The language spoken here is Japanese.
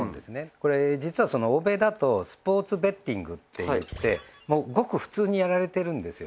これ実は欧米だとスポーツベッティングっていってもうごく普通にやられてるんですよ